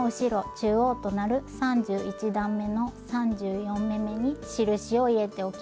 中央となる３１段めの３４目めに印を入れておきます。